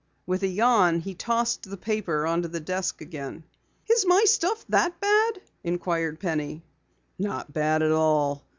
With a yawn he tossed the paper on the desk again. "Is my stuff that bad?" inquired Penny. "Not bad at all.